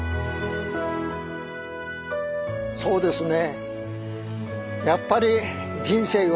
そうですね